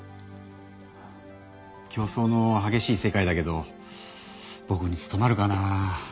競争のはげしい世界だけどぼくに務まるかな。